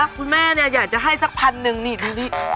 คุณแม่เนี่ยอยากจะให้สักพันหนึ่งนี่ดูดิ